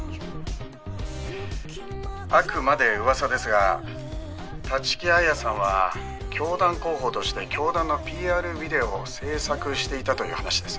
「あくまで噂ですが立木彩さんは教団広報として教団のＰＲビデオを制作していたという話です」